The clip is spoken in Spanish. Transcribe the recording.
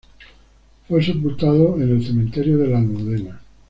Fue sepultado en el cementerio de la Almudena.